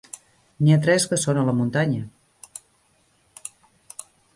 N'hi ha tres que són a la muntanya.